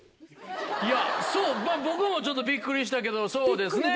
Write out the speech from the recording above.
いやそうまぁ僕もちょっとびっくりしたけどそうですね。